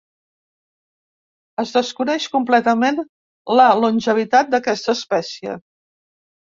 Es desconeix completament la longevitat d'aquesta espècie.